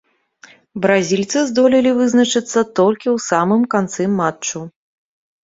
Бразільцы здолелі вызначыцца толькі ў самым канцы матчу.